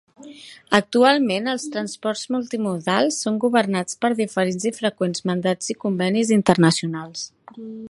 Actualment els transports multimodals són governats per diferents i freqüents mandats i convenis internacionals.